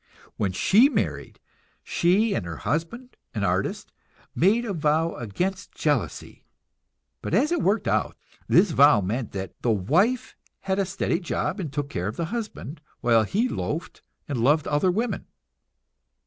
When she married, she and her husband, an artist, made a vow against jealousy; but as it worked out, this vow meant that the wife had a steady job and took care of the husband, while he loafed and loved other women.